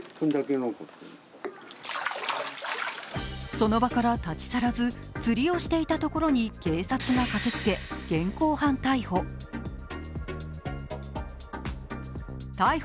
その場から立ち去らず、釣りをしていたところに警察が駆けつけ、現行犯逮捕。